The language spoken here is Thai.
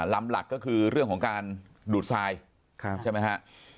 หลักก็คือเรื่องของการดูดทรายใช่ไหมฮะ